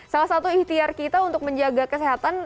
salah satu ikhtiar kita untuk menjaga kesehatan